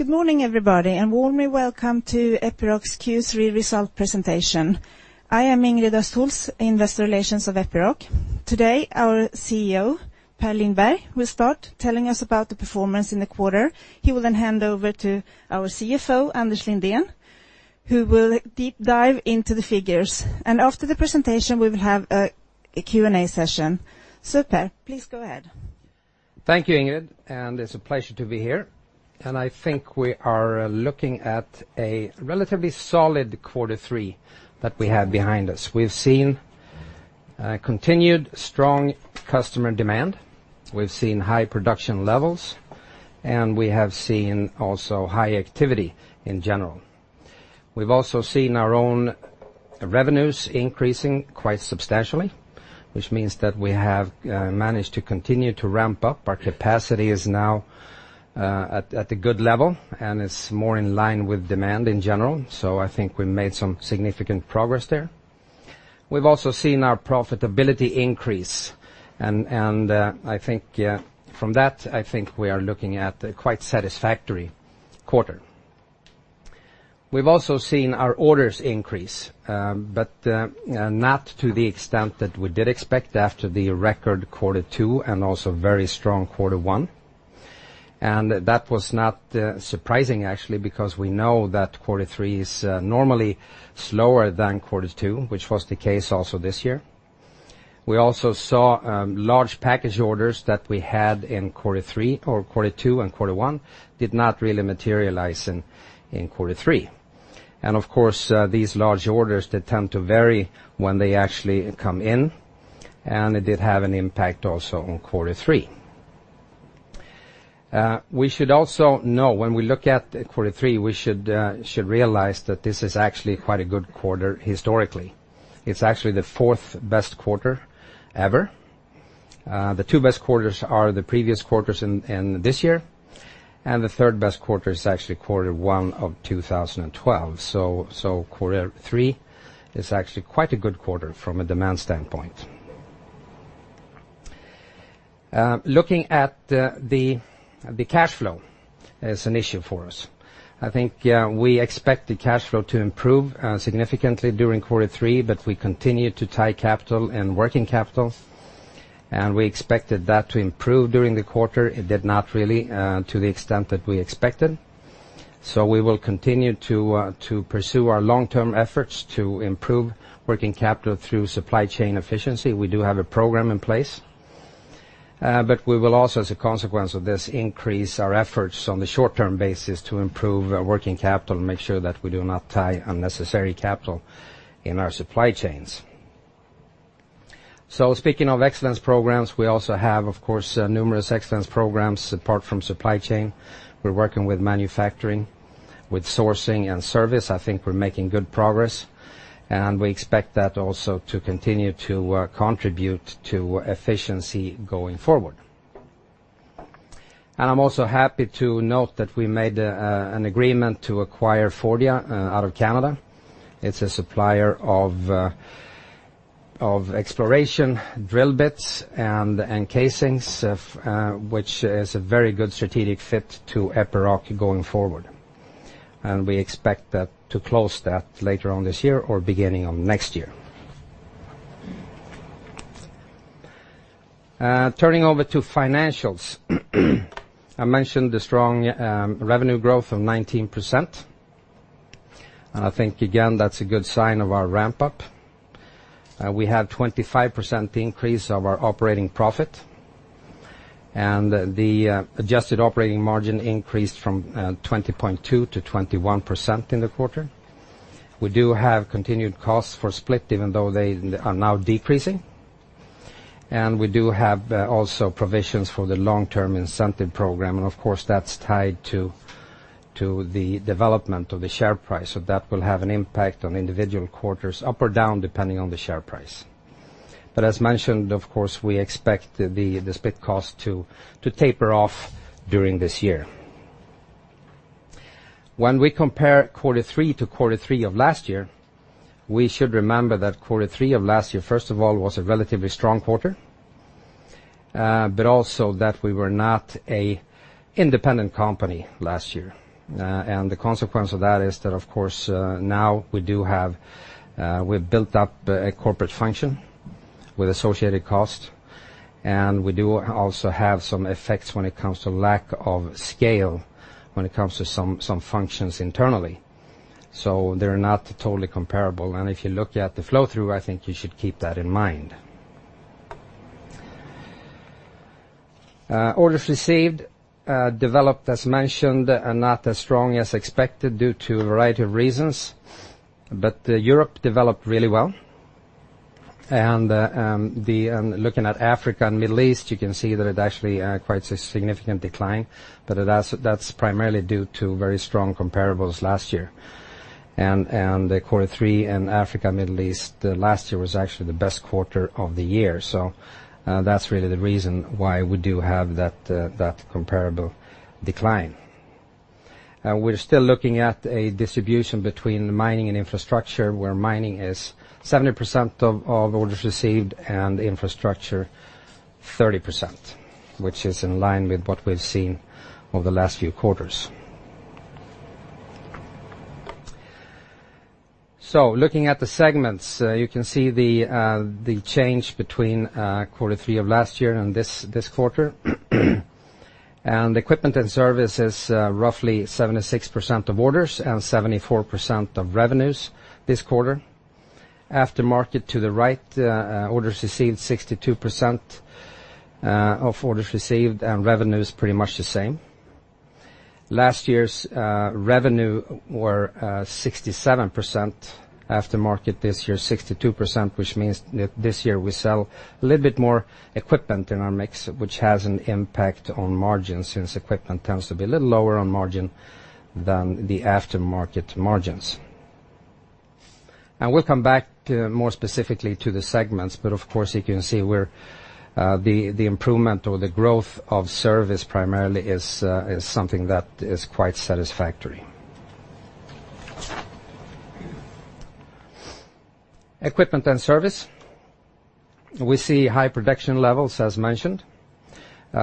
Good morning, everybody, warmly welcome to Epiroc's quarter three result presentation. I am Ingrid Östhols, investor relations of Epiroc. Today, our CEO, Per Lindberg, will start telling us about the performance in the quarter. He will then hand over to our CFO, Anders Lindén, who will deep dive into the figures. After the presentation, we will have a Q&A session. Per, please go ahead. Thank you, Ingrid, it's a pleasure to be here. I think we are looking at a relatively solid quarter three that we have behind us. We've seen continued strong customer demand. We've seen high production levels, and we have seen also high activity in general. We've also seen our own revenues increasing quite substantially, which means that we have managed to continue to ramp up. Our capacity is now at a good level, and it's more in line with demand in general. I think we made some significant progress there. We've also seen our profitability increase, and from that, I think we are looking at a quite satisfactory quarter. We've also seen our orders increase, but not to the extent that we did expect after the record quarter two and also very strong quarter one. That was not surprising actually, because we know that quarter three is normally slower than quarter two, which was the case also this year. We also saw large package orders that we had in quarter two and quarter one did not really materialize in quarter three. Of course, these large orders did tend to vary when they actually come in, and it did have an impact also on quarter three. We should also know when we look at quarter three, we should realize that this is actually quite a good quarter historically. It's actually the fourth best quarter ever. The two best quarters are the previous quarters in this year, and the third best quarter is actually quarter one of 2012. Quarter three is actually quite a good quarter from a demand standpoint. Looking at the cash flow is an issue for us. I think we expect the cash flow to improve significantly during quarter three, but we continue to tie capital and working capital, and we expected that to improve during the quarter. It did not really to the extent that we expected. We will continue to pursue our long-term efforts to improve working capital through supply chain efficiency. We do have a program in place. We will also, as a consequence of this, increase our efforts on the short-term basis to improve working capital and make sure that we do not tie unnecessary capital in our supply chains. Speaking of excellence programs, we also have, of course, numerous excellence programs apart from supply chain. We're working with manufacturing, with sourcing, and service. I think we're making good progress, and we expect that also to continue to contribute to efficiency going forward. I'm also happy to note that we made an agreement to acquire Fordia out of Canada. It's a supplier of exploration drill bits and casings, which is a very good strategic fit to Epiroc going forward. We expect to close that later on this year or beginning of next year. Turning over to financials. I mentioned the strong revenue growth of 19%, and I think, again, that's a good sign of our ramp up. We have 25% increase of our operating profit, and the adjusted operating margin increased from 20.2% to 21% in the quarter. We do have continued costs for split, even though they are now decreasing. We do have also provisions for the long-term incentive program, and of course, that's tied to the development of the share price. That will have an impact on individual quarters, up or down, depending on the share price. As mentioned, of course, we expect the split cost to taper off during this year. When we compare quarter three to quarter three of last year, we should remember that quarter three of last year, first of all, was a relatively strong quarter, but also that we were not an independent company last year. The consequence of that is that, of course, now we've built up a corporate function with associated cost, and we do also have some effects when it comes to lack of scale when it comes to some functions internally. They're not totally comparable. If you look at the flow-through, I think you should keep that in mind. Orders received developed as mentioned, and not as strong as expected due to a variety of reasons. Europe developed really well. Looking at Africa and Middle East, you can see that it actually quite a significant decline, but that's primarily due to very strong comparables last year. Quarter three in Africa, Middle East, last year was actually the best quarter of the year. That's really the reason why we do have that comparable decline. We're still looking at a distribution between mining and infrastructure, where mining is 70% of orders received and infrastructure 30%, which is in line with what we've seen over the last few quarters. Looking at the segments, you can see the change between Q3 of last year and this quarter. Equipment and service is roughly 76% of orders and 74% of revenues this quarter. Aftermarket to the right, orders received 62% of orders received, and revenue is pretty much the same. Last year's revenue was 67%, aftermarket this year 62%, which means that this year we sell a little bit more equipment in our mix, which has an impact on margins since equipment tends to be a little lower on margin than the aftermarket margins. We'll come back more specifically to the segments, but of course, you can see where the improvement or the growth of service primarily is something that is quite satisfactory. Equipment and service. We see high production levels, as mentioned.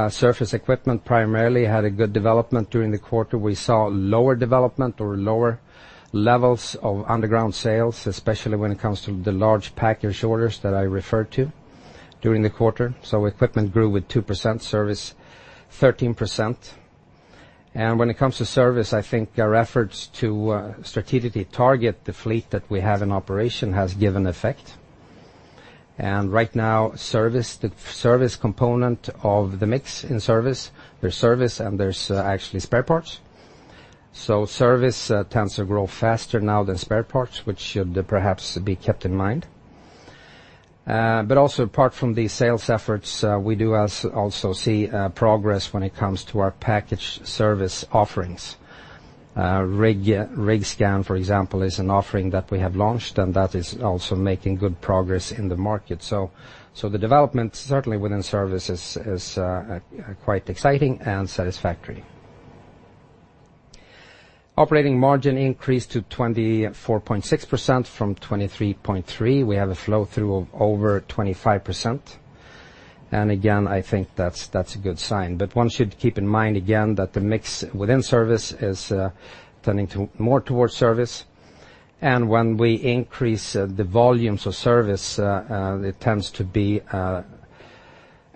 Surface equipment primarily had a good development during the quarter. We saw lower development or lower levels of underground sales, especially when it comes to the large package orders that I referred to during the quarter. Equipment grew with 2%, service 13%. When it comes to service, I think our efforts to strategically target the fleet that we have in operation has given effect. Right now, the service component of the mix in service, there's service, and there's actually spare parts. Service tends to grow faster now than spare parts, which should perhaps be kept in mind. Also apart from the sales efforts, we do also see progress when it comes to our package service offerings. RigScan, for example, is an offering that we have launched, and that is also making good progress in the market. The development certainly within service is quite exciting and satisfactory. Operating margin increased to 24.6% from 23.3%. We have a flow-through of over 25%, and again, I think that's a good sign. One should keep in mind again that the mix within service is turning more towards service, and when we increase the volumes of service, it tends to be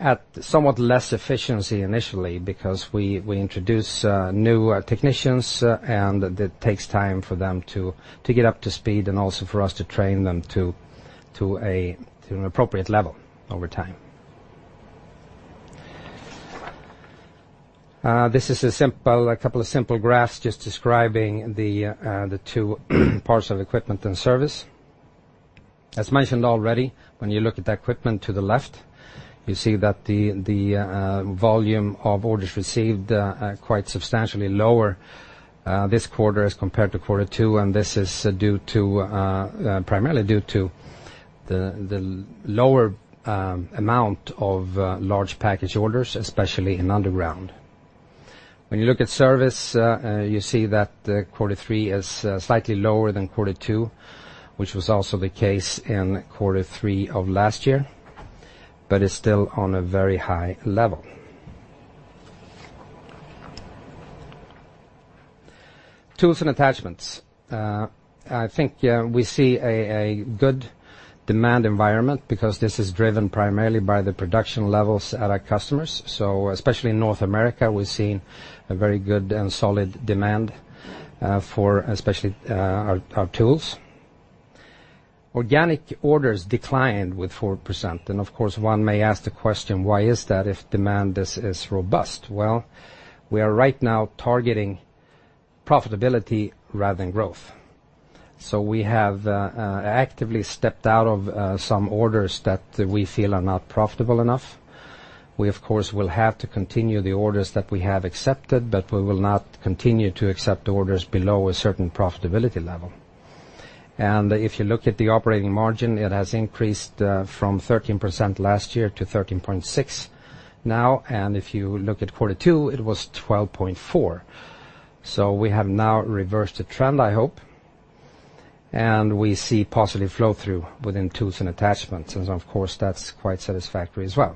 at somewhat less efficiency initially because we introduce new technicians, and it takes time for them to get up to speed and also for us to train them to an appropriate level over time. This is a couple of simple graphs just describing the two parts of equipment and service. As mentioned already, when you look at the equipment to the left, you see that the volume of orders received quite substantially lower this quarter as compared to Q2, and this is primarily due to the lower amount of large package orders, especially in underground. When you look at service, you see that Q3 is slightly lower than Q2, which was also the case in Q3 of last year, but is still on a very high level. Tools and attachments. I think we see a good demand environment because this is driven primarily by the production levels at our customers. Especially in North America, we're seeing a very good and solid demand for especially our tools. Organic orders declined with 4%, and of course, one may ask the question: why is that if demand is robust? We are right now targeting profitability rather than growth. We have actively stepped out of some orders that we feel are not profitable enough. We of course, will have to continue the orders that we have accepted, but we will not continue to accept orders below a certain profitability level. If you look at the operating margin, it has increased from 13% last year to 13.6% now, and if you look at Q2, it was 12.4%. We have now reversed the trend, I hope, and we see positive flow-through within tools and attachments, and of course, that's quite satisfactory as well.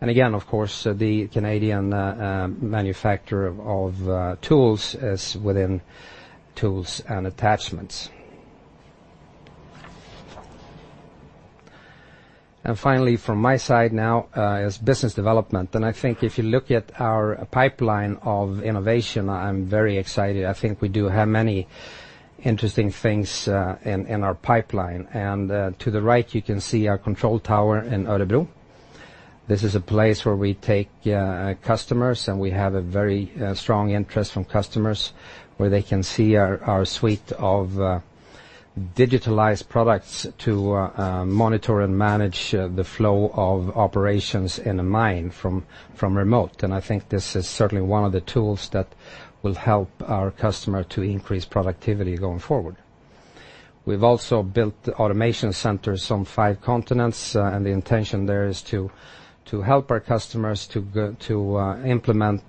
Again, of course, the Canadian manufacturer of tools is within tools and attachments. Finally, from my side now is business development. I think if you look at our pipeline of innovation, I'm very excited. I think we do have many interesting things in our pipeline. To the right, you can see our control tower in Örebro. This is a place where we take customers, and we have a very strong interest from customers, where they can see our suite of digitalized products to monitor and manage the flow of operations in a mine from remote. I think this is certainly one of the tools that will help our customer to increase productivity going forward. We've also built automation centers on five continents, the intention there is to help our customers to implement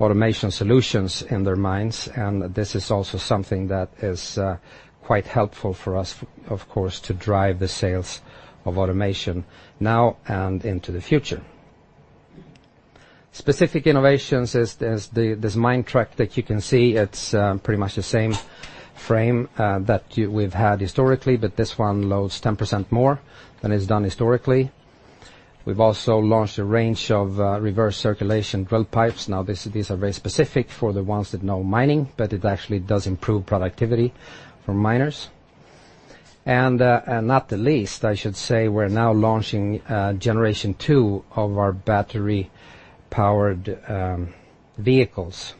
automation solutions in their minds. This is also something that is quite helpful for us, of course, to drive the sales of automation now and into the future. Specific innovations is this Minetruck that you can see. It's pretty much the same frame that we've had historically, but this one loads 10% more than is done historically. We've also launched a range of reverse circulation drill pipes. These are very specific for the ones that know mining, but it actually does improve productivity for miners. Not the least, I should say, we're now launching generation 2 of our battery-powered vehicles.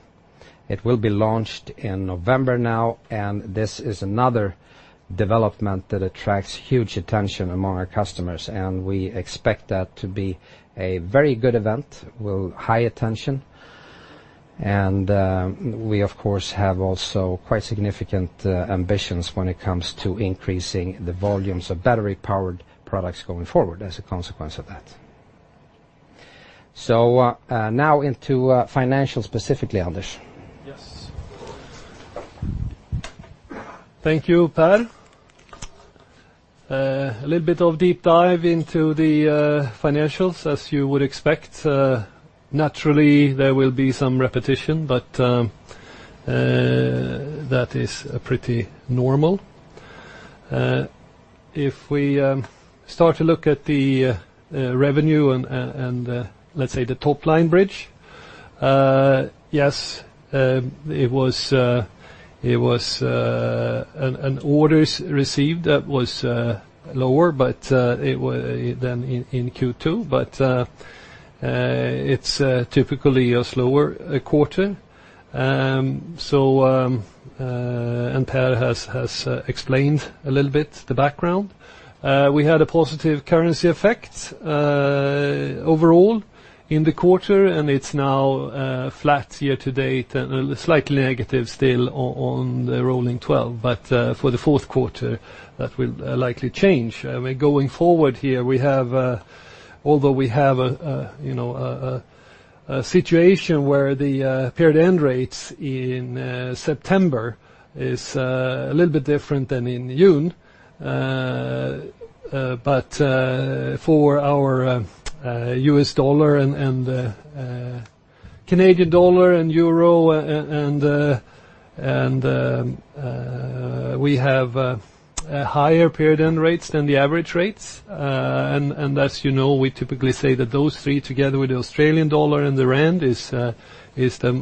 It will be launched in November now, this is another development that attracts huge attention among our customers, and we expect that to be a very good event with high attention. We, of course, have also quite significant ambitions when it comes to increasing the volumes of battery powered products going forward as a consequence of that. Now into financial specifically, Anders Lindén. Thank you, Per Lindberg. A little bit of deep dive into the financials, as you would expect. Naturally, there will be some repetition, but that is pretty normal. We start to look at the revenue and, let's say, the top-line bridge. Orders received was lower, but it was then in Q2, but it's typically a slower quarter. Per Lindberg has explained a little bit the background. We had a positive currency effect, overall, in the quarter, it's now flat year to date and slightly negative still on the rolling 12. For the fourth quarter, that will likely change. Going forward here, although we have a situation where the period end rates in September is a little bit different than in June. For our US dollar and Canadian dollar and euro, we have higher period end rates than the average rates. As you know, we typically say that those three, together with the Australian dollar and the rand, is the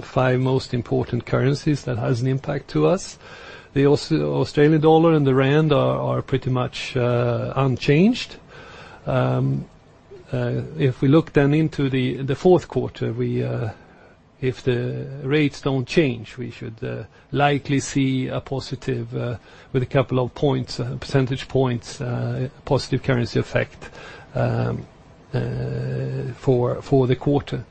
five most important currencies that has an impact to us. The Australian dollar and the rand are pretty much unchanged. We look then into the fourth quarter, if the rates don't change, we should likely see a positive with a couple of percentage points, positive currency effect for the quarter.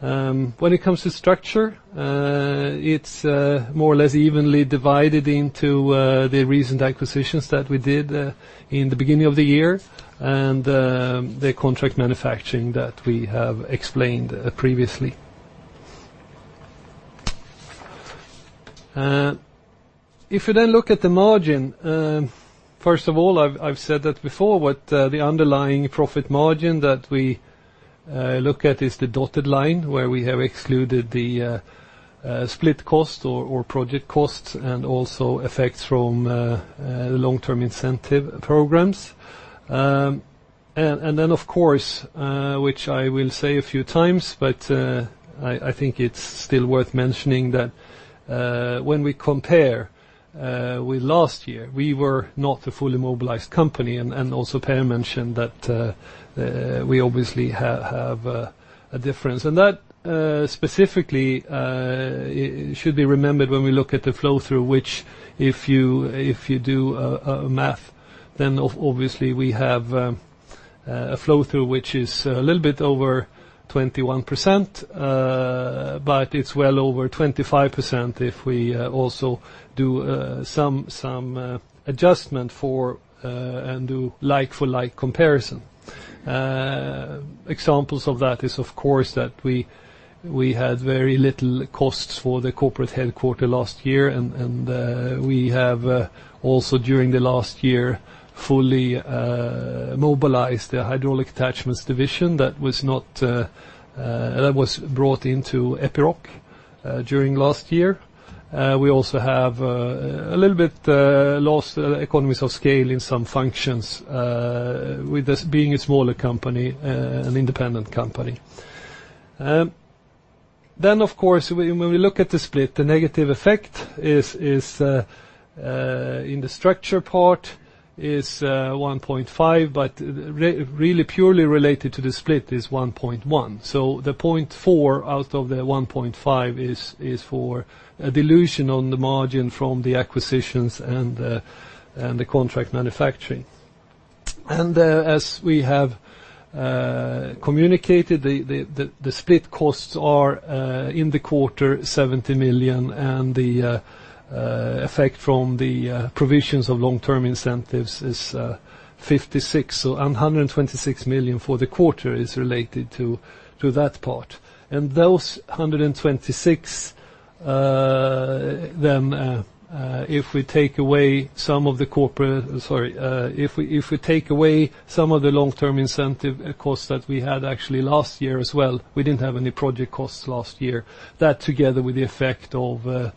When it comes to structure, it's more or less evenly divided into the recent acquisitions that we did in the beginning of the year and the contract manufacturing that we have explained previously. You then look at the margin, first of all, I've said that before, what the underlying profit margin that we look at is the dotted line, where we have excluded the split cost or project costs and also effects from long-term incentive programs. Of course, which I will say a few times, but I think it is still worth mentioning that when we compare with last year, we were not a fully mobilized company. Also Per mentioned that we obviously have a difference, and that specifically should be remembered when we look at the flow through which if you do math, then obviously we have a flow through, which is a little bit over 21%, but it is well over 25% if we also do some adjustment for and do like for like comparison. Examples of that is, of course, that we had very little costs for the corporate headquarter last year, and we have also during the last year fully mobilized the hydraulic attachments division that was brought into Epiroc during last year. We also have a little bit lost economies of scale in some functions with us being a smaller company, an independent company. Of course, when we look at the split, the negative effect in the structure part is 1.5, but really purely related to the split is 1.1. The 0.4 out of the 1.5 is for dilution on the margin from the acquisitions and the contract manufacturing. As we have communicated, the split costs are in the quarter 70 million, and the effect from the provisions of long-term incentives is 56. 126 million for the quarter is related to that part. Those 126, if we take away some of the long-term incentive costs that we had actually last year as well, we did not have any project costs last year. That together with the effect of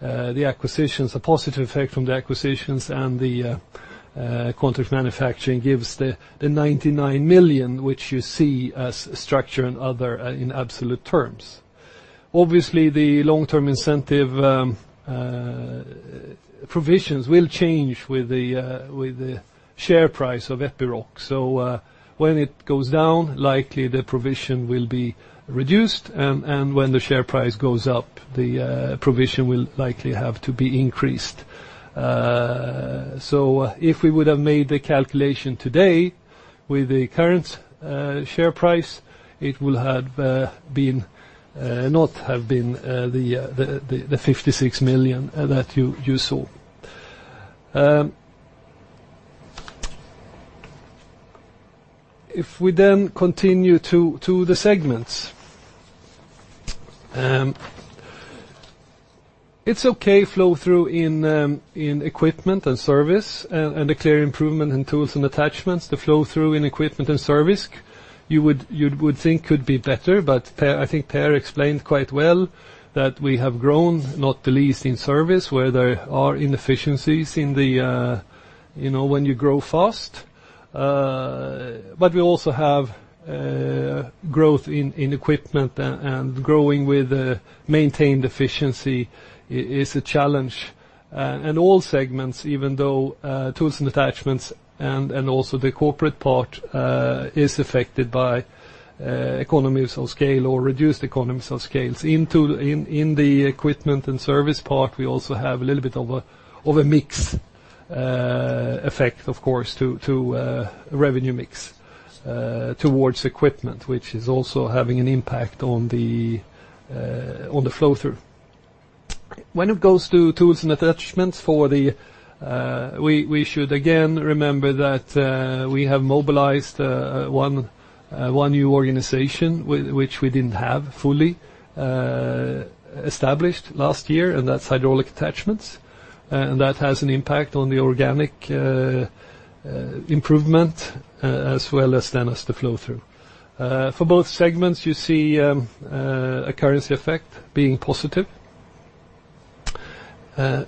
the acquisitions, the positive effect from the acquisitions and the contract manufacturing gives the 99 million, which you see as structure and other in absolute terms. Obviously, the long-term incentive provisions will change with the share price of Epiroc. When it goes down, likely the provision will be reduced, and when the share price goes up, the provision will likely have to be increased. If we would have made the calculation today with the current share price, it will not have been the 56 million that you saw. If we continue to the segments, it is okay flow through in equipment and service, and a clear improvement in tools and attachments. The flow through in equipment and service, you would think could be better, but I think Per explained quite well that we have grown not the least in service, where there are inefficiencies when you grow fast. We also have growth in equipment, and growing with maintained efficiency is a challenge. All segments, even though tools and attachments and also the corporate part is affected by economies of scale or reduced economies of scales. In the equipment and service part, we also have a little bit of a mix effect, of course, to revenue mix towards equipment, which is also having an impact on the flow through. When it goes to tools and attachments, we should again remember that we have mobilized one new organization, which we did not have fully established last year, and that is hydraulic attachments. That has an impact on the organic improvement as well as then as the flow through. For both segments, you see a currency effect being positive. On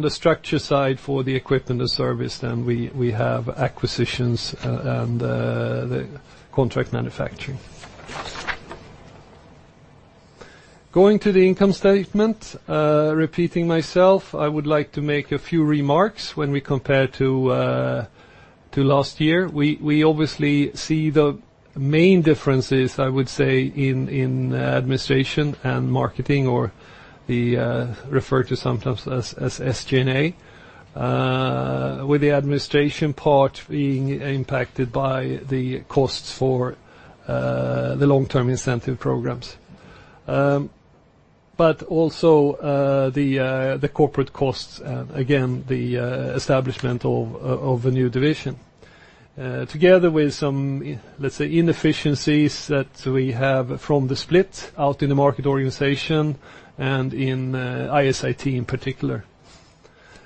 the structure side for the equipment and service, then we have acquisitions and the contract manufacturing. Going to the income statement, repeating myself, I would like to make a few remarks when we compare to last year. We obviously see the main differences, I would say, in administration and marketing, or referred to sometimes as SG&A, with the administration part being impacted by the costs for the long-term incentive programs. Also the corporate costs, again, the establishment of a new division. Together with some, let's say, inefficiencies that we have from the split out in the market organization and in IS/IT in particular.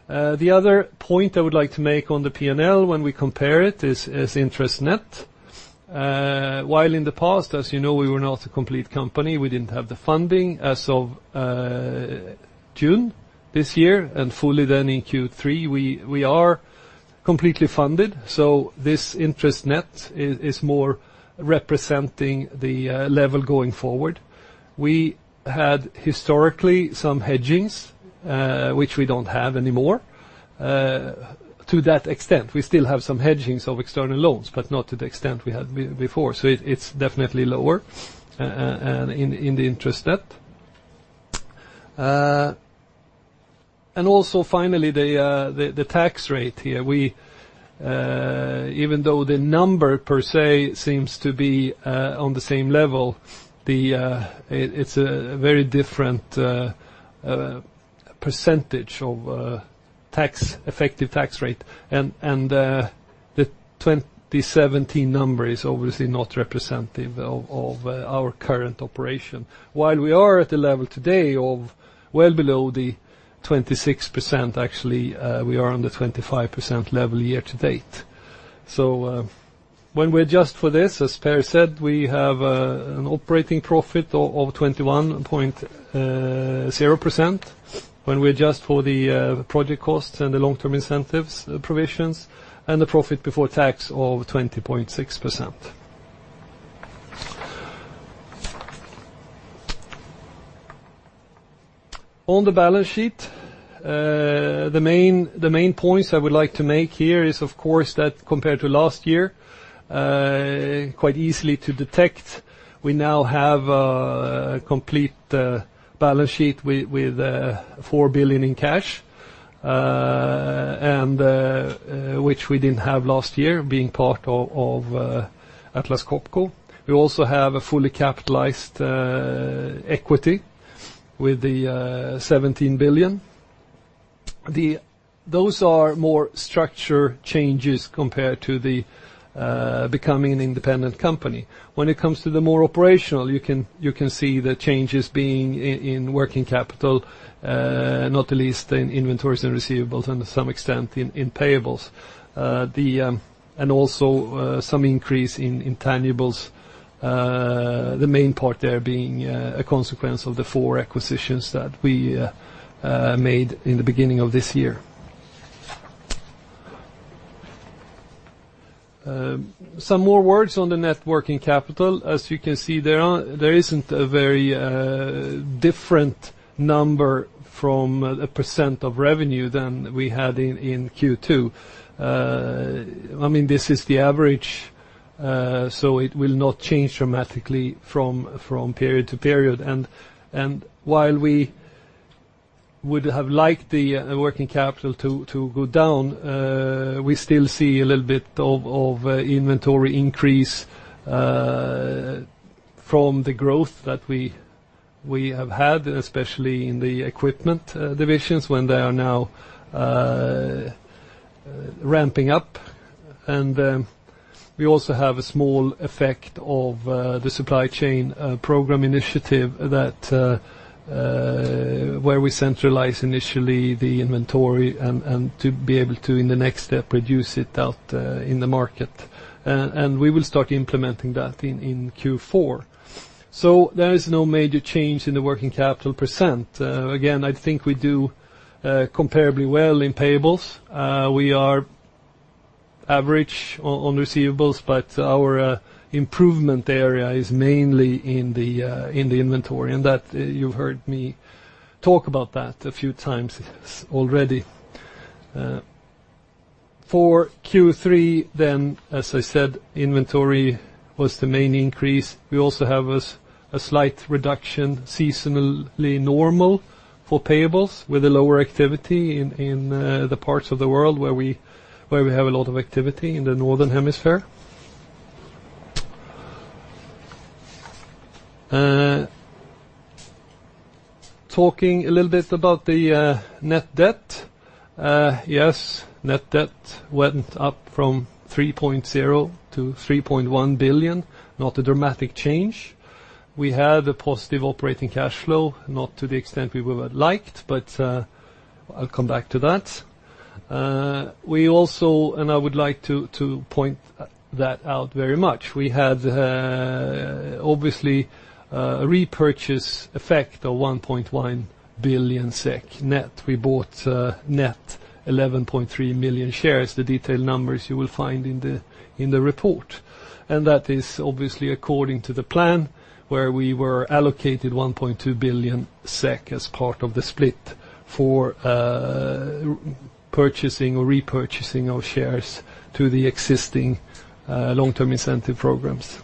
The other point I would like to make on the P&L when we compare it is interest net. While in the past, as you know, we were not a complete company, we didn't have the funding as of June this year and fully then in Q3, we are completely funded. This interest net is more representing the level going forward. We had historically some hedgings, which we don't have anymore to that extent. We still have some hedgings of external loans, but not to the extent we had before. It's definitely lower in the interest net. Also finally, the tax rate here. Even though the number per se seems to be on the same level, it's a very different percentage of effective tax rate, and the 2017 number is obviously not representative of our current operation. While we are at a level today of well below the 26%, actually, we are on the 25% level year to date. When we adjust for this, as Per said, we have an operating profit of 21.0% when we adjust for the project costs and the long-term incentives provisions, and the profit before tax of 20.6%. On the balance sheet, the main points I would like to make here is, of course, that compared to last year, quite easy to detect, we now have a complete balance sheet with 4 billion in cash, which we didn't have last year, being part of Atlas Copco. We also have a fully capitalized equity with 17 billion. Those are more structure changes compared to the becoming an independent company. When it comes to the more operational, you can see the changes being in working capital, not the least in inventories and receivables and to some extent in payables. Also some increase in intangibles, the main part there being a consequence of the four acquisitions that we made in the beginning of this year. Some more words on the net working capital. As you can see, there isn't a very different number from a percent of revenue than we had in Q2. This is the average, it will not change dramatically from period to period. While we would have liked the working capital to go down, we still see a little bit of inventory increase from the growth that we have had, especially in the equipment divisions, when they are now ramping up. We also have a small effect of the supply chain program initiative, where we centralize initially the inventory and to be able to, in the next step, reduce it out in the market. We will start implementing that in Q4. There is no major change in the working capital %. Again, I think we do comparably well in payables. We are average on receivables, but our improvement area is mainly in the inventory, and that you've heard me talk about that a few times already. For Q3, as I said, inventory was the main increase. We also have a slight reduction, seasonally normal for payables, with a lower activity in the parts of the world where we have a lot of activity in the Northern Hemisphere. Talking a little bit about the net debt. Net debt went up from 3.0 billion to 3.1 billion, not a dramatic change. We had a positive operating cash flow, not to the extent we would have liked. I'll come back to that. We also, I would like to point that out very much, we had obviously a repurchase effect of 1.1 billion SEK net. We bought net 11.3 million shares. The detailed numbers you will find in the report, that is obviously according to the plan where we were allocated 1.2 billion SEK as part of the split for purchasing or repurchasing our shares to the existing long-term incentive programs.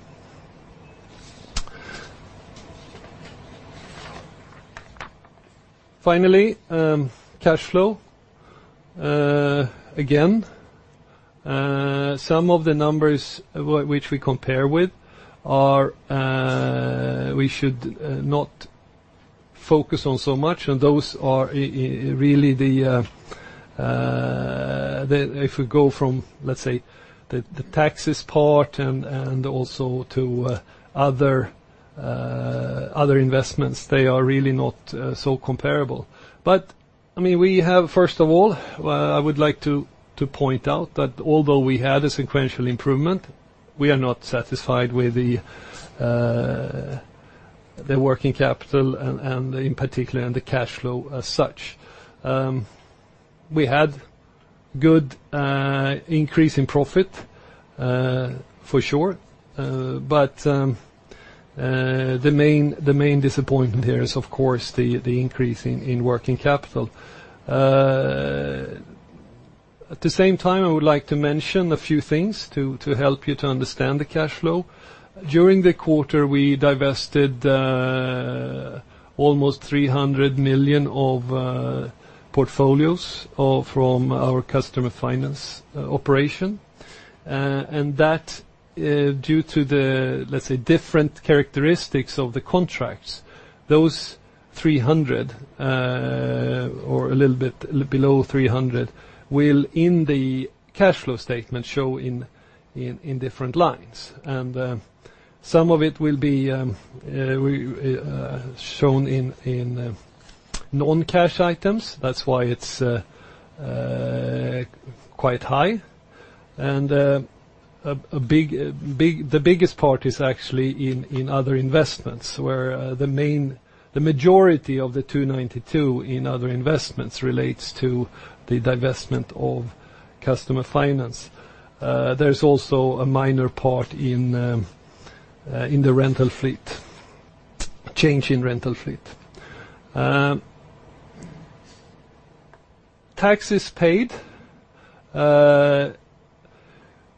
Finally, cash flow. Some of the numbers which we compare with, we should not focus on so much. If we go from, let's say, the taxes part and also to other investments, they are really not so comparable. We have, first of all, I would like to point out that although we had a sequential improvement, we are not satisfied with the working capital, and in particular, the cash flow as such. We had good increase in profit for sure. The main disappointment here is, of course, the increase in working capital. At the same time, I would like to mention a few things to help you to understand the cash flow. During the quarter, we divested almost 300 million of portfolios from our customer finance operation. That due to the, let's say, different characteristics of the contracts, those 300 million or a little bit below 300 million will, in the cash flow statement, show in different lines. Some of it will be shown in non-cash items. That's why it's quite high. The biggest part is actually in other investments, where the majority of the 292 million in other investments relates to the divestment of customer finance. There's also a minor part in the rental fleet, change in rental fleet. Taxes paid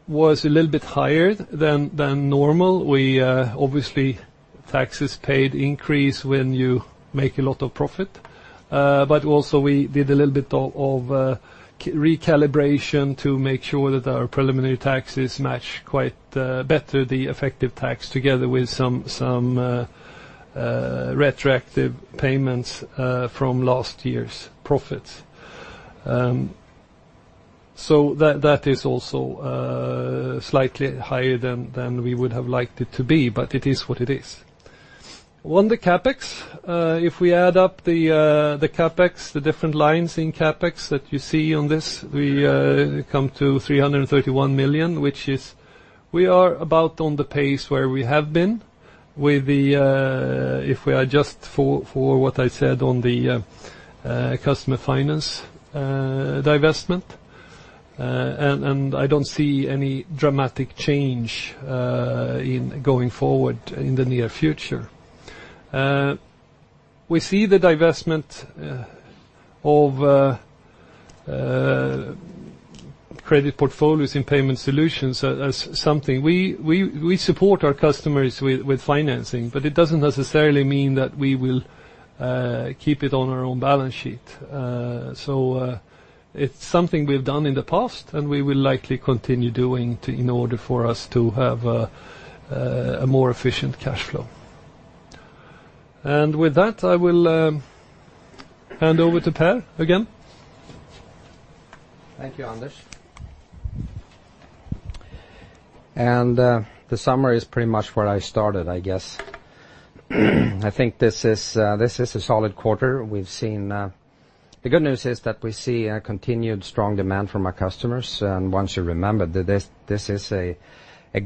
was a little bit higher than normal. Obviously, taxes paid increase when you make a lot of profit. Also we did a little bit of recalibration to make sure that our preliminary taxes match quite better the effective tax together with some retroactive payments from last year's profits. That is also slightly higher than we would have liked it to be, but it is what it is. On the CapEx, if we add up the different lines in CapEx that you see on this, we come to 331 million. We are about on the pace where we have been, if we adjust for what I said on the customer finance divestment. I don't see any dramatic change going forward in the near future. We see the divestment of credit portfolios in payment solutions as something. We support our customers with financing, but it doesn't necessarily mean that we will keep it on our own balance sheet. It's something we've done in the past, and we will likely continue doing in order for us to have a more efficient cash flow. With that, I will hand over to Per again. Thank you, Anders Lindén. The summary is pretty much where I started, I guess. I think this is a solid quarter. The good news is that we see a continued strong demand from our customers. One should remember that this is a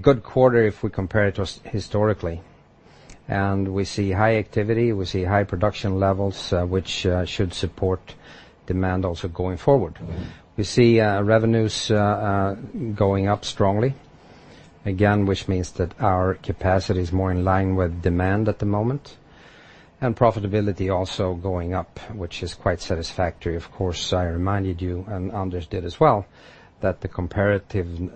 good quarter if we compare it historically. We see high activity, we see high production levels, which should support demand also going forward. We see revenues going up strongly, again, which means that our capacity is more in line with demand at the moment. Profitability also going up, which is quite satisfactory. Of course, I reminded you, and Anders Lindén did as well, that the comparative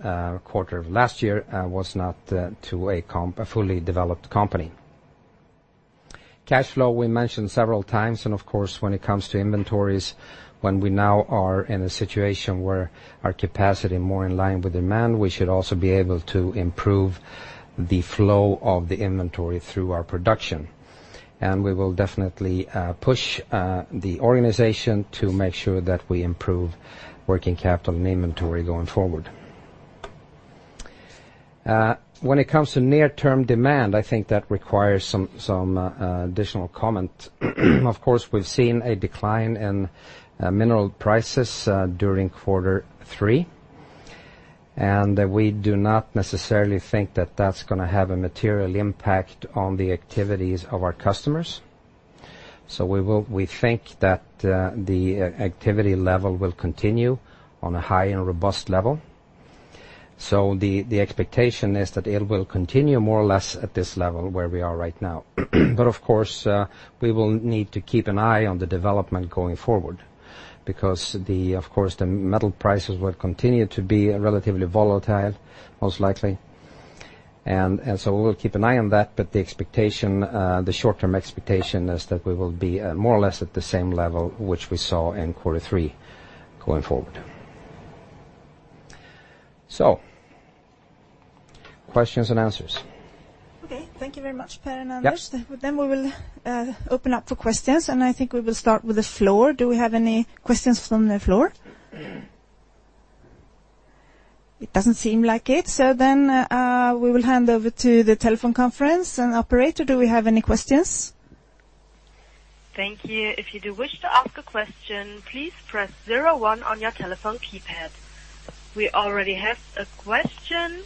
quarter of last year was not to a fully developed company. Cash flow we mentioned several times, of course, when it comes to inventories, when we now are in a situation where our capacity is more in line with demand, we should also be able to improve the flow of the inventory through our production. We will definitely push the organization to make sure that we improve working capital and inventory going forward. When it comes to near-term demand, I think that requires some additional comment. Of course, we've seen a decline in mineral prices during quarter three, we do not necessarily think that that's going to have a material impact on the activities of our customers. We think that the activity level will continue on a high and robust level. The expectation is that it will continue more or less at this level where we are right now. Of course, we will need to keep an eye on the development going forward because, of course, the metal prices will continue to be relatively volatile, most likely. We will keep an eye on that, but the short-term expectation is that we will be more or less at the same level, which we saw in quarter three going forward. Questions and answers. Okay. Thank you very much, Per Lindberg and Anders Lindén. Yep. We will open up for questions, and I think we will start with the floor. Do we have any questions from the floor? It doesn't seem like it. We will hand over to the telephone conference. Operator, do we have any questions? Thank you. If you do wish to ask a question, please press zero one on your telephone keypad. We already have a question.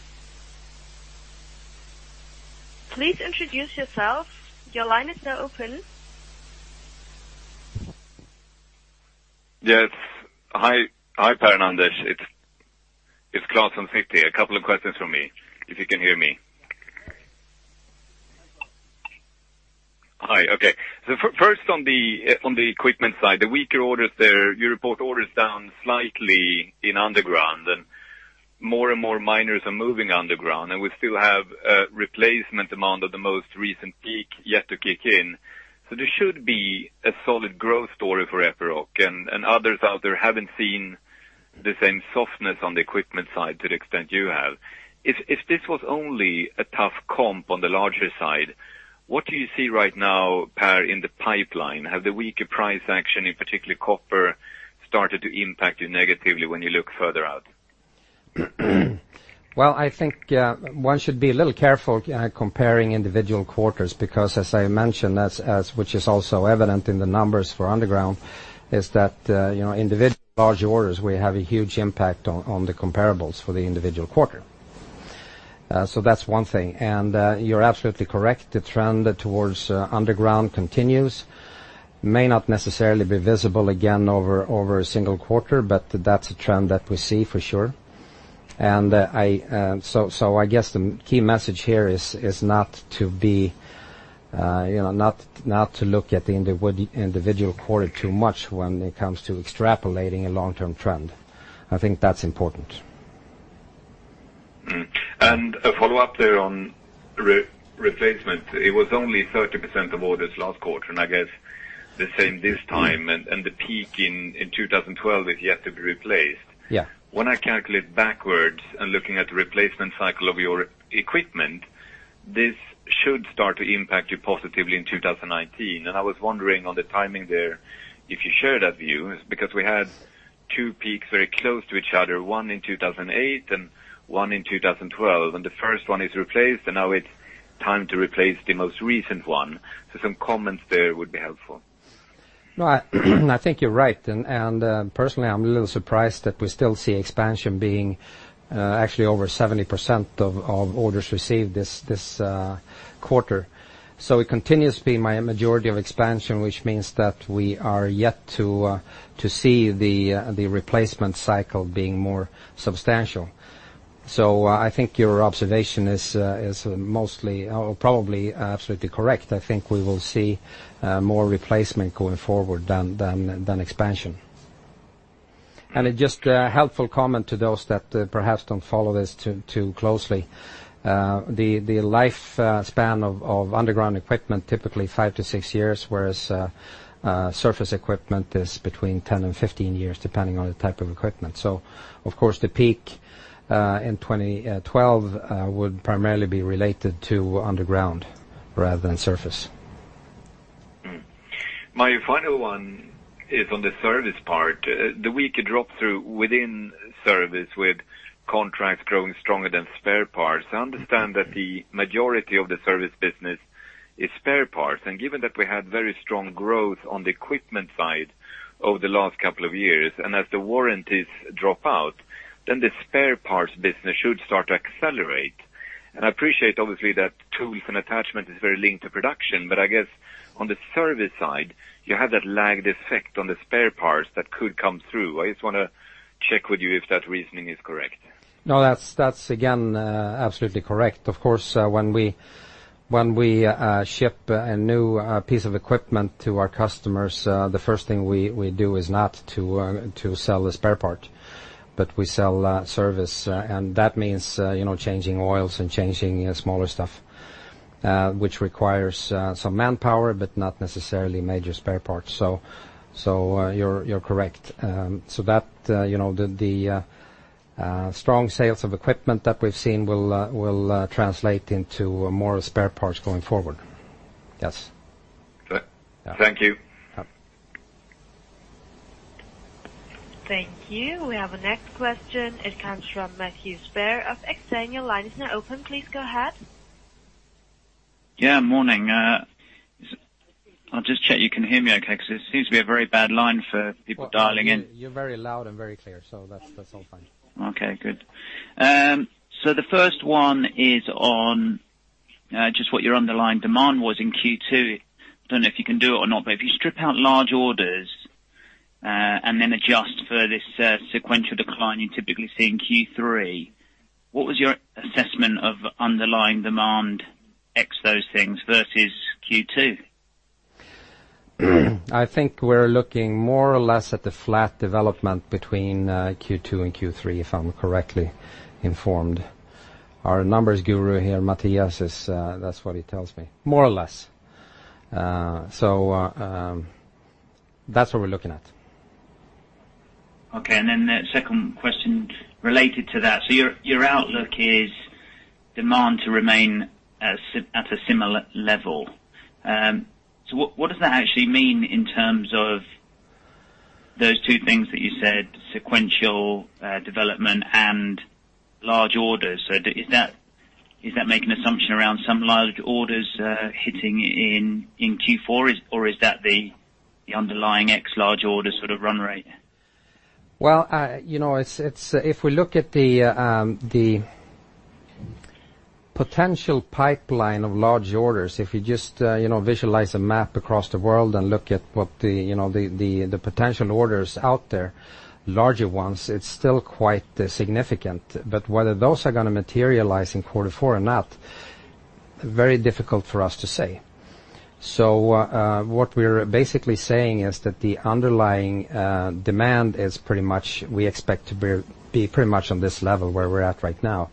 Please introduce yourself. Your line is now open. Yes. Hi, Per Lindberg and Anders Lindén. It's Klas from SEB. A couple of questions from me, if you can hear me. Hi. Okay. First on the equipment side, the weaker orders there, you report orders down slightly in underground and more and more miners are moving underground, and we still have replacement demand of the most recent peak yet to kick in. There should be a solid growth story for Epiroc, and others out there haven't seen the same softness on the equipment side to the extent you have. If this was only a tough comp on the larger side, what do you see right now, Per, in the pipeline? Has the weaker price action, in particular copper, started to impact you negatively when you look further out? I think one should be a little careful comparing individual quarters because, as I mentioned, which is also evident in the numbers for underground, is that individual large orders will have a huge impact on the comparables for the individual quarter. That's one thing, and you're absolutely correct. The trend towards underground continues. It may not necessarily be visible again over a single quarter, but that's a trend that we see for sure. I guess the key message here is not to look at the individual quarter too much when it comes to extrapolating a long-term trend. I think that's important. A follow-up there on replacement. It was only 30% of orders last quarter, and I guess the same this time, and the peak in 2012 is yet to be replaced. Yeah. When I calculate backwards and looking at the replacement cycle of your equipment, this should start to impact you positively in 2019. I was wondering on the timing there, if you share that view. We had two peaks very close to each other, one in 2008 and one in 2012. The first one is replaced, and now it's time to replace the most recent one. Some comments there would be helpful. No, I think you're right. Personally, I'm a little surprised that we still see expansion being actually over 70% of orders received this quarter. It continues to be my majority of expansion, which means that we are yet to see the replacement cycle being more substantial. I think your observation is probably absolutely correct. I think we will see more replacement going forward than expansion. Just a helpful comment to those that perhaps don't follow this too closely. The life span of underground equipment, typically five to six years, whereas surface equipment is between 10 and 15 years, depending on the type of equipment. Of course, the peak, in 2012, would primarily be related to underground rather than surface. Mm. My final one is on the service part. The weaker drop through within service, with contracts growing stronger than spare parts. I understand that the majority of the service business is spare parts. Given that we had very strong growth on the equipment side over the last couple of years, and as the warranties drop out, then the spare parts business should start to accelerate. I appreciate obviously that tools and attachments is very linked to production, but I guess on the service side, you have that lagged effect on the spare parts that could come through. I just want to check with you if that reasoning is correct. No, that's again, absolutely correct. Of course, when we ship a new piece of equipment to our customers, the first thing we do is not to sell the spare part, but we sell service. That means changing oils and changing smaller stuff, which requires some manpower, but not necessarily major spare parts. You're correct. The strong sales of equipment that we've seen will translate into more spare parts going forward. Yes. Thank you. Yeah. Thank you. We have a next question. It comes from Matthew Spero of Exane. Your line is now open. Please go ahead. Yeah, morning. I'll just check you can hear me okay, because it seems to be a very bad line for people dialing in. You're very loud and very clear, that's all fine. Okay, good. The first one is on just what your underlying demand was in Q2. Don't know if you can do it or not, but if you strip out large orders, then adjust for this sequential decline you're typically see in Q3, what was your assessment of underlying demand ex those things versus Q2? I think we're looking more or less at the flat development between Q2 and Q3, if I'm correctly informed. Our numbers guru here, Mattias, that's what he tells me, more or less. That's what we're looking at. The second question related to that. Your outlook is demand to remain at a similar level. What does that actually mean in terms of those two things that you said, sequential development and large orders? Is that making assumption around some large orders hitting in Q4, or is that the underlying ex large order sort of run rate? If we look at the potential pipeline of large orders, if you just visualize a map across the world and look at what the potential orders out there, larger ones, it's still quite significant. Whether those are going to materialize in quarter four or not, very difficult for us to say. What we're basically saying is that the underlying demand we expect to be pretty much on this level where we're at right now.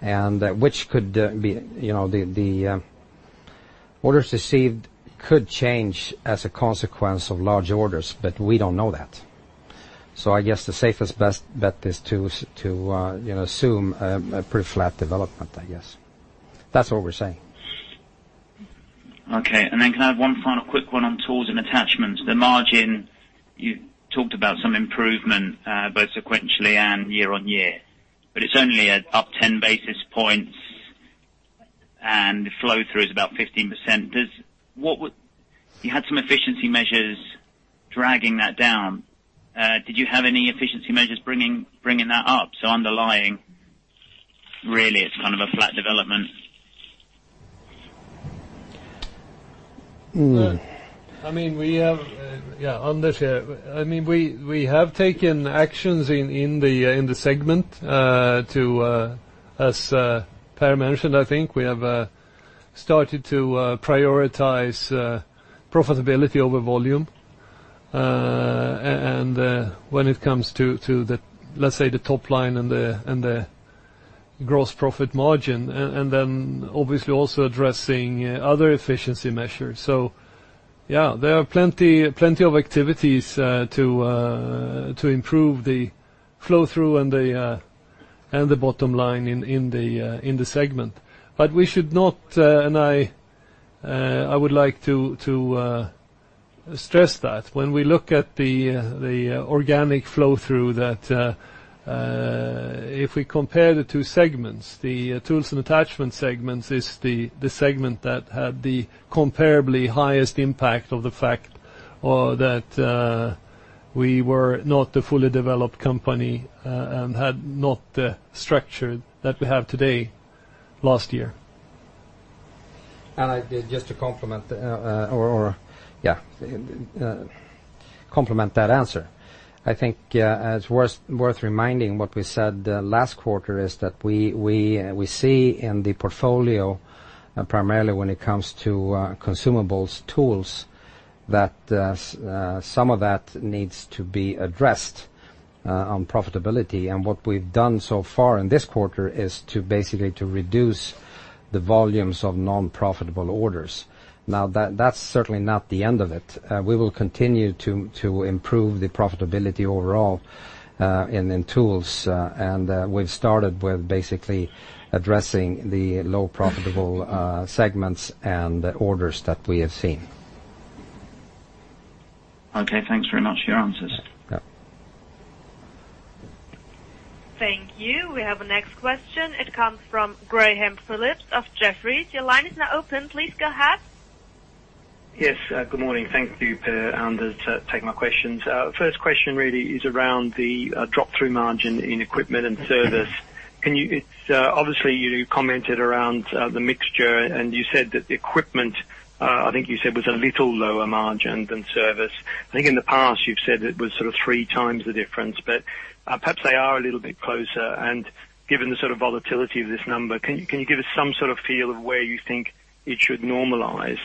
The orders received could change as a consequence of large orders, but we don't know that. I guess the safest bet is to assume a pretty flat development, I guess. That's what we're saying. Can I have one final quick one on tools and attachments? The margin, you talked about some improvement, both sequentially and year-on-year. It's only up 10 basis points, and flow through is about 15%. You had some efficiency measures dragging that down. Did you have any efficiency measures bringing that up? Underlying, really, it's kind of a flat development. Yeah, Anders here. We have taken actions in the segment, as Per mentioned, I think. We have started to prioritize profitability over volume, and when it comes to, let's say, the top line and the gross profit margin, and then obviously also addressing other efficiency measures. Yeah, there are plenty of activities to improve the flow-through and the bottom line in the segment. We should not, and I would like to stress that, when we look at the organic flow-through, that if we compare the two segments, the tools and attachment segments is the segment that had the comparably highest impact of the fact that we were not a fully developed company and had not the structure that we have today, last year. Just to complement that answer. I think it's worth reminding what we said last quarter is that we see in the portfolio, primarily when it comes to consumables tools, that some of that needs to be addressed on profitability. What we've done so far in this quarter is to basically reduce the volumes of non-profitable orders. That's certainly not the end of it. We will continue to improve the profitability overall in tools, and we've started with basically addressing the low profitable segments and orders that we have seen. Thanks very much for your answers. Yeah. Thank you. We have the next question. It comes from Graham Phillips of Jefferies. Your line is now open. Please go ahead. Good morning. Thank you, Per and Anders, taking my questions. First question really is around the drop-through margin in equipment and service. Obviously, you commented around the mixture, and you said that the equipment, I think you said, was a little lower margin than service. I think in the past you've said it was sort of three times the difference, but perhaps they are a little bit closer, given the sort of volatility of this number, can you give us some sort of feel of where you think it should normalize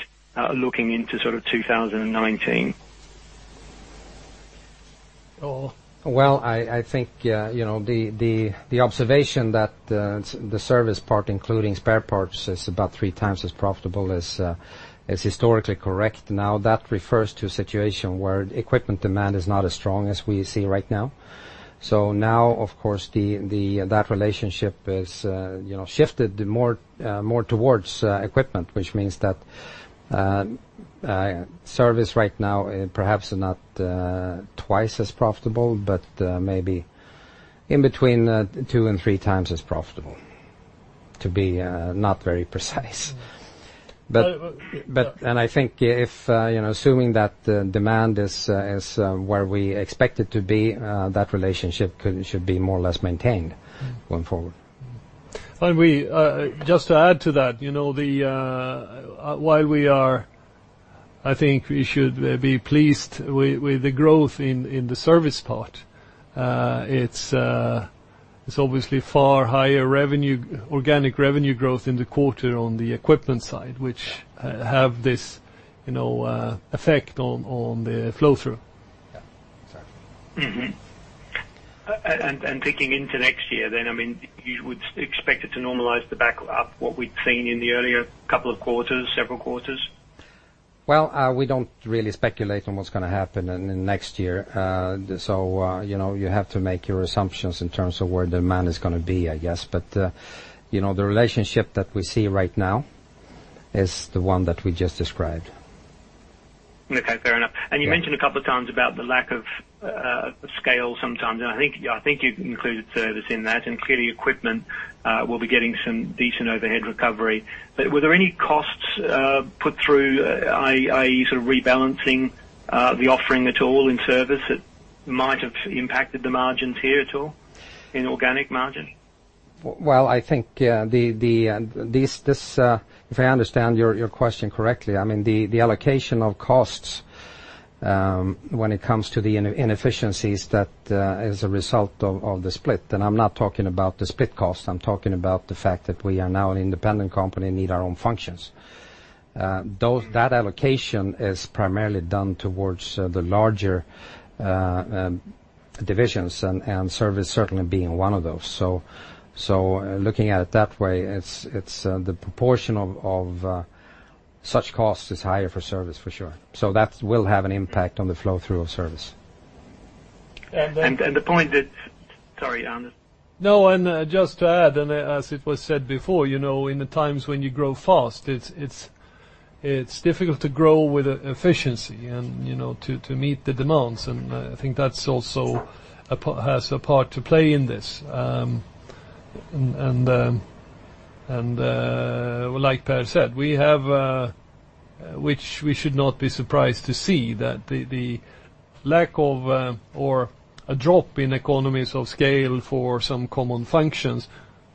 looking into sort of 2019? Well, I think the observation that the service part, including spare parts, is about three times as profitable, is historically correct. That refers to a situation where equipment demand is not as strong as we see right now. Now, of course, that relationship is shifted more towards equipment, which means that service right now perhaps not twice as profitable, but maybe in between two and three times as profitable, to be not very precise. Well- I think assuming that demand is where we expect it to be, that relationship should be more or less maintained going forward. Just to add to that, I think we should be pleased with the growth in the service part. It's obviously far higher organic revenue growth in the quarter on the equipment side, which have this effect on the flow-through. Yeah. Exactly. Thinking into next year then, you would expect it to normalize the back up, what we'd seen in the earlier couple of quarters, several quarters? Well, we don't really speculate on what's going to happen in the next year. You have to make your assumptions in terms of where demand is going to be, I guess. The relationship that we see right now is the one that we just described. Okay, fair enough. Yeah. You mentioned a couple of times about the lack of scale sometimes, and I think you included service in that, and clearly equipment will be getting some decent overhead recovery. Were there any costs put through, i.e. sort of rebalancing the offering at all in service that might have impacted the margins here at all, in organic margin? Well, I think, if I understand your question correctly, I mean, the allocation of costs when it comes to the inefficiencies that is a result of the split. I'm not talking about the split cost, I'm talking about the fact that we are now an independent company, need our own functions. That allocation is primarily done towards the larger divisions, and service certainly being one of those. Looking at it that way, the proportion of such cost is higher for service for sure. That will have an impact on the flow-through of service. And then- The point that Sorry, Anders. No, just to add, and as it was said before, in the times when you grow fast, it's difficult to grow with efficiency and to meet the demands. I think that also has a part to play in this. Like Per said, which we should not be surprised to see that the lack of or a drop in economies of scale for some common functions,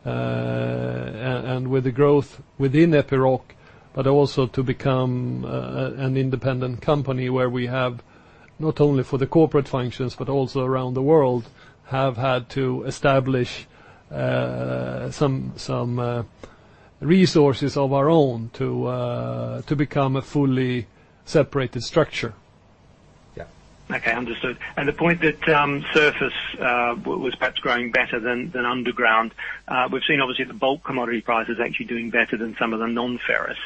and with the growth within Epiroc, but also to become an independent company where we have not only for the corporate functions but also around the world, have had to establish some resources of our own to become a fully separated structure. Yeah. Okay. Understood. The point that surface was perhaps growing better than underground. We've seen obviously the bulk commodity prices actually doing better than some of the non-ferrous.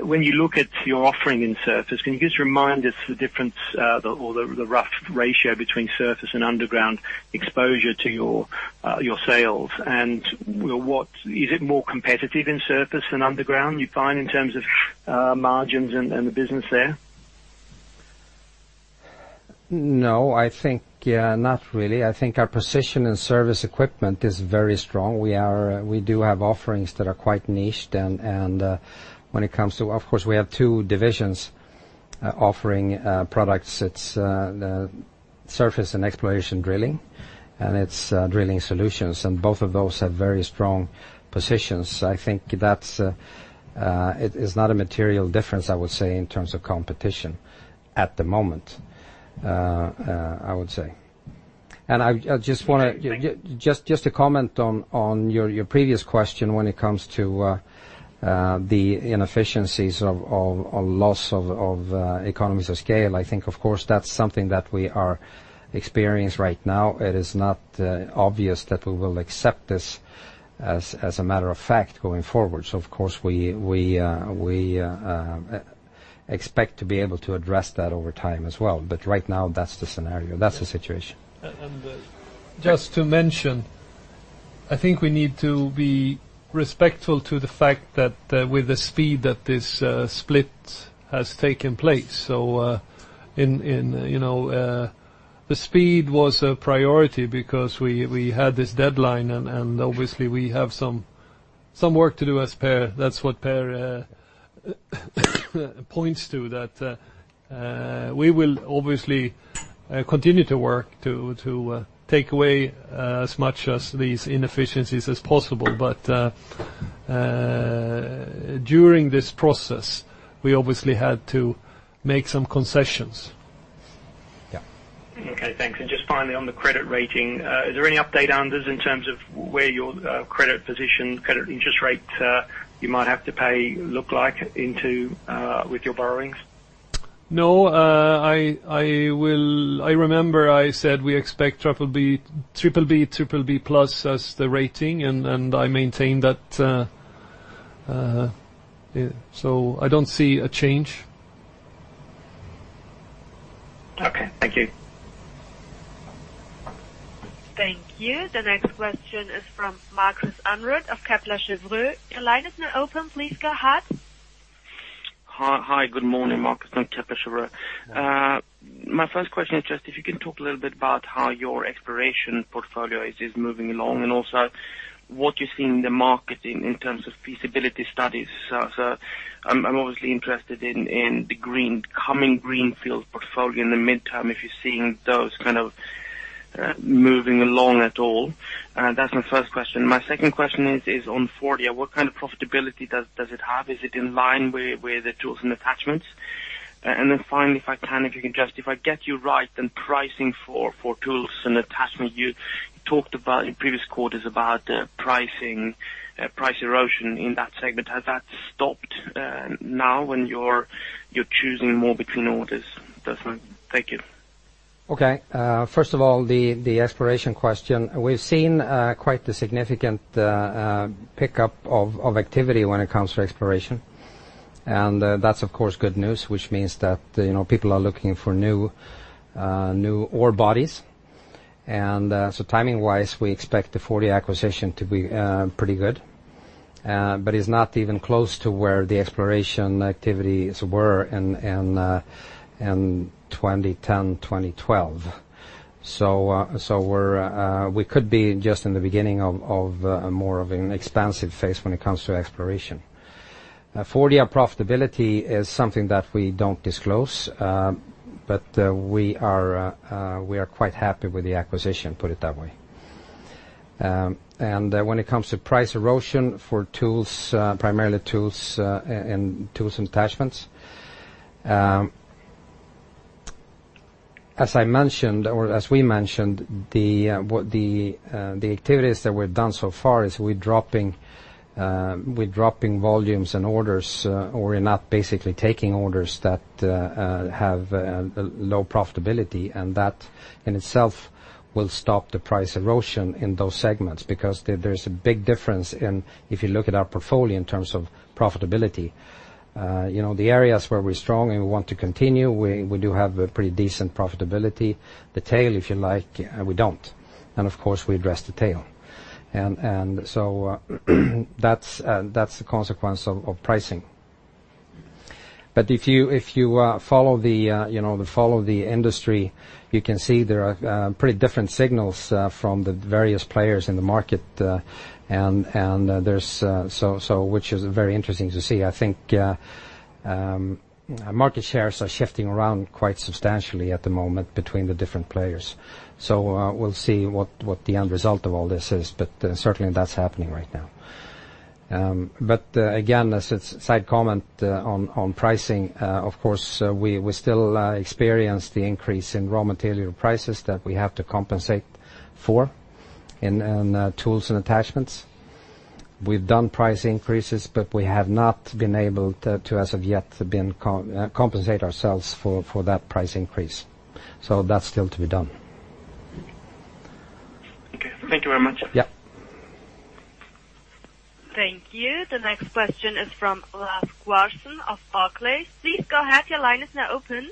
When you look at your offering in surface, can you just remind us the difference or the rough ratio between surface and underground exposure to your sales? Is it more competitive in surface than underground, you find in terms of margins and the business there? No, I think, not really. I think our position in surface equipment is very strong. We do have offerings that are quite niched. When it comes to, we have two divisions offering products. It's Surface and Exploration Drilling, and it's Drilling Solutions, and both of those have very strong positions. I think it is not a material difference, I would say, in terms of competition at the moment. I just want to comment on your previous question when it comes to the inefficiencies of loss of economies of scale. I think, of course, that's something that we are experienced right now. It is not obvious that we will accept this as a matter of fact, going forward. Of course we expect to be able to address that over time as well. Right now, that's the scenario. That's the situation. Just to mention, I think we need to be respectful to the fact that with the speed that this split has taken place. The speed was a priority because we had this deadline, and obviously, we have some work to do as Per. That's what Per points to that we will obviously continue to work to take away as much as these inefficiencies as possible, but during this process, we obviously had to make some concessions. Yeah. Okay, thanks. Just finally on the credit rating, is there any update, Anders, in terms of where your credit position, credit interest rate you might have to pay look like with your borrowings? No. I remember I said we expect BBB+ as the rating, and I maintain that. I don't see a change. Okay. Thank you. Thank you. The next question is from Markus Unruh of Kepler Cheuvreux. Your line is now open. Please go ahead. Hi, good morning. Markus from Kepler Cheuvreux. My first question is just if you can talk a little bit about how your exploration portfolio is moving along, and also what you see in the market in terms of feasibility studies. I'm obviously interested in the coming greenfield portfolio in the midterm, if you're seeing those kind of moving along at all. That's my first question. My second question is on Fordia. What kind of profitability does it have? Is it in line with the tools and attachments? Finally, if I can, if I get you right, pricing for tools and attachments you talked about in previous quarters about price erosion in that segment. Has that stopped now when you're choosing more between orders? Thank you. Okay. First of all, the exploration question. We've seen quite the significant pickup of activity when it comes to exploration. That's of course, good news, which means that people are looking for new ore bodies. Timing-wise, we expect the Fordia acquisition to be pretty good. It's not even close to where the exploration activities were in 2010, 2012. We could be just in the beginning of more of an expansive phase when it comes to exploration. Fordia profitability is something that we don't disclose, but we are quite happy with the acquisition, put it that way. When it comes to price erosion for primarily tools and attachments, as we mentioned, the activities that we've done so far is we're dropping volumes and orders or we're not basically taking orders that have low profitability, and that in itself will stop the price erosion in those segments. There's a big difference if you look at our portfolio in terms of profitability. The areas where we're strong and we want to continue, we do have a pretty decent profitability. The tail, if you like, we don't. Of course, we address the tail. That's the consequence of pricing. If you follow the industry, you can see there are pretty different signals from the various players in the market, which is very interesting to see. I think market shares are shifting around quite substantially at the moment between the different players. We'll see what the end result of all this is, but certainly that's happening right now. Again, as a side comment on pricing, of course, we still experience the increase in raw material prices that we have to compensate for in tools and attachments. We've done price increases, but we have not been able to, as of yet, compensate ourselves for that price increase. That's still to be done. Okay. Thank you very much. Yeah. Thank you. The next question is from Lars Brorson of Barclays. Please go ahead. Your line is now open.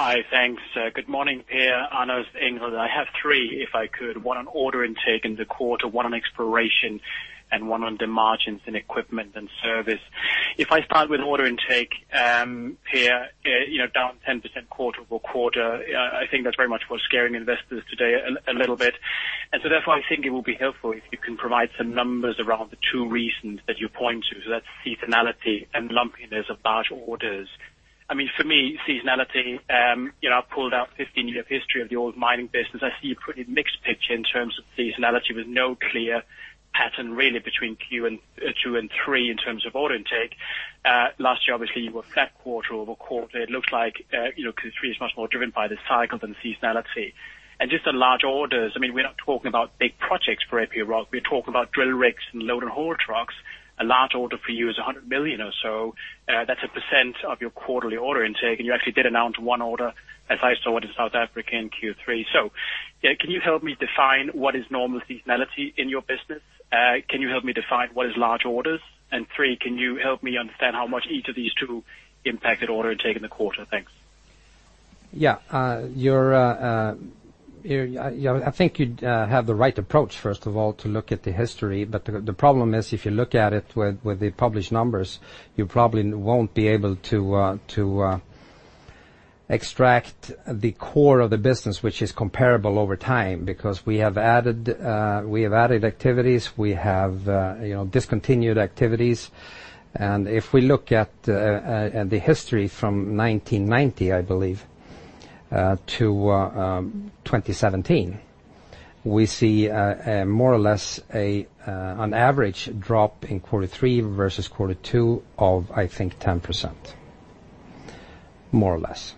Hi. Thanks. Good morning. Per Lindberg. I have three, if I could, one on order intake in the quarter, one on exploration, and one on the margins in equipment and service. If I start with order intake, Per, down 10% quarter-over-quarter. I think that's very much what's scaring investors today a little bit. Therefore, I think it would be helpful if you can provide some numbers around the two reasons that you point to. That's seasonality and lumpiness of large orders. For me, seasonality, I pulled out 15 years of history of the old mining business. I see a pretty mixed picture in terms of seasonality, with no clear pattern, really, between Q2 and three in terms of order intake. Last year, obviously, you were flat quarter-over-quarter. It looks like Q3 is much more driven by the cycle than seasonality. Just on large orders, we're not talking about big projects for Epiroc. We're talking about drill rigs and load and haul trucks. A large order for you is 100 million or so. That's a percent of your quarterly order intake, and you actually did announce 1 order as I saw it in South Africa in Q3. Can you help me define what is normal seasonality in your business? Can you help me define what is large orders? And three, can you help me understand how much each of these two impacted order intake in the quarter? Thanks. Yeah. I think you have the right approach, first of all, to look at the history. But the problem is, if you look at it with the published numbers, you probably won't be able to extract the core of the business, which is comparable over time, because we have added activities, we have discontinued activities. If we look at the history from 1990, I believe, to 2017, we see more or less an average drop in quarter three versus quarter two of, I think, 10%, more or less.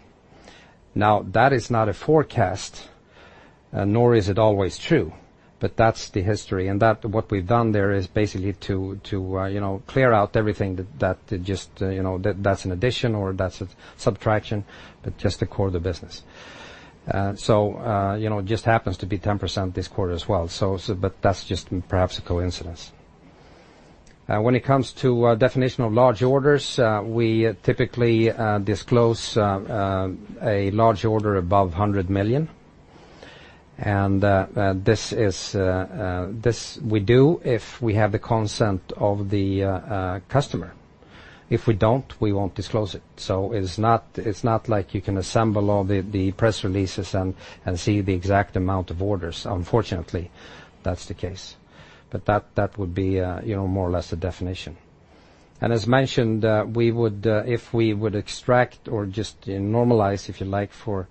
Now, that is not a forecast, nor is it always true, but that's the history. What we've done there is basically to clear out everything that's an addition or that's a subtraction, but just the core of the business. It just happens to be 10% this quarter as well, but that's just perhaps a coincidence. When it comes to definition of large orders, we typically disclose a large order above 100 million. This we do if we have the consent of the customer. If we don't, we won't disclose it. It's not like you can assemble all the press releases and see the exact amount of orders. Unfortunately that's the case. That would be more or less the definition. As mentioned, if we would extract or just normalize, if you like, for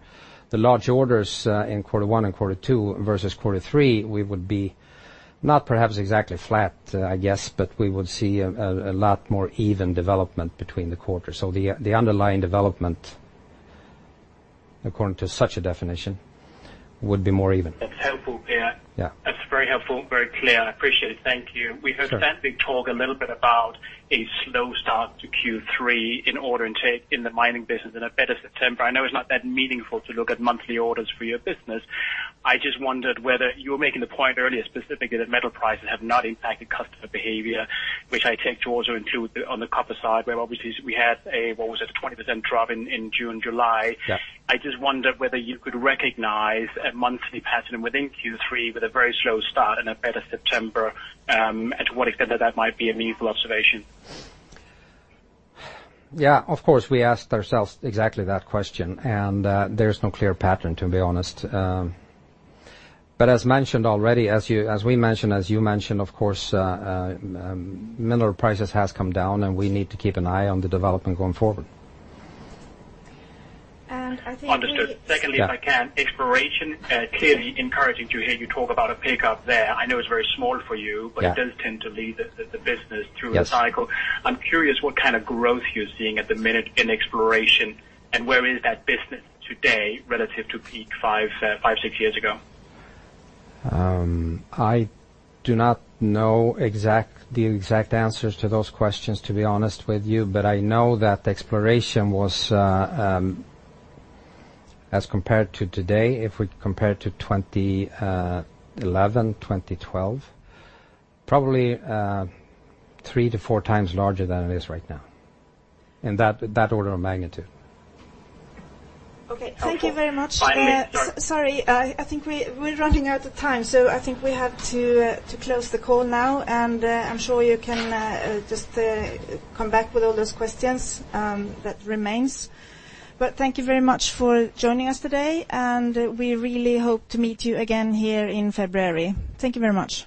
the large orders in quarter one and quarter two versus quarter three, we would be not perhaps exactly flat, I guess, but we would see a lot more even development between the quarters. The underlying development, according to such a definition, would be more even. That's helpful, Per. Yeah. That's very helpful, very clear. I appreciate it. Thank you. Sure. We heard Sandvik talk a little bit about a slow start to Q3 in order intake in the mining business and a better September. I know it's not that meaningful to look at monthly orders for your business. I just wondered whether you were making the point earlier specifically that metal prices have not impacted customer behavior, which I take to also include on the copper side, where obviously we had a, what was it, 20% drop in June, July. Yeah. I just wondered whether you could recognize a monthly pattern within Q3 with a very slow start and a better September, and to what extent that might be a meaningful observation. Yeah, of course, we asked ourselves exactly that question. There's no clear pattern, to be honest. As mentioned already, as we mentioned, as you mentioned, of course, mineral prices has come down, and we need to keep an eye on the development going forward. I think we- Understood. Secondly, if I can, exploration, clearly encouraging to hear you talk about a pickup there. I know it's very small for you- Yeah It does tend to lead the business through a cycle. Yes. I'm curious what kind of growth you're seeing at the minute in exploration, and where is that business today relative to peak five, six years ago? I do not know the exact answers to those questions, to be honest with you. I know that exploration was, as compared to today, if we compare to 2011, 2012, probably three to four times larger than it is right now, in that order of magnitude. Okay. Thank you very much. Finally. Sorry, I think we're running out of time. I think we have to close the call now. I'm sure you can just come back with all those questions that remains. Thank you very much for joining us today. We really hope to meet you again here in February. Thank you very much.